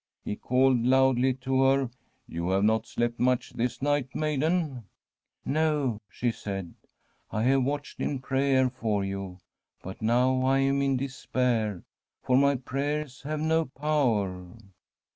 He called loudly to her :* You have not slept much this night, maiden ?'' No,' she said ;' I have watched in prayer for you; but now I am in despair, for my prayers have no power.'